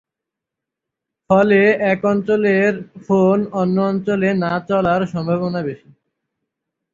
ফলে এক অঞ্চলের ফোন অন্য অঞ্চলে না চলার সম্ভাবনা বেশি।